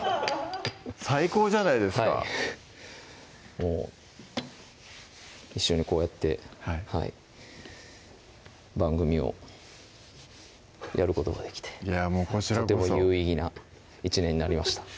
最高じゃないですかはいもう一緒にこうやって番組をやることができていやもうこちらこそとても有意義な１年になりました